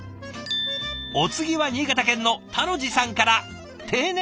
お次は新潟県のたろじさんから。